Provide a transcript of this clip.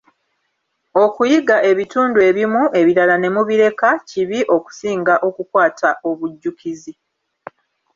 Okuyiga ebitundu ebimu ebirala ne mubireka, kibi okusinga okukwata obujjukizi.